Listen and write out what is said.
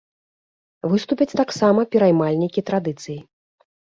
Выступяць таксама пераймальнікі традыцыі.